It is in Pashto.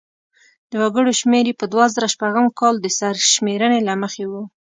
د وګړو شمیر یې په دوه زره شپږم کال د سرشمېرنې له مخې و.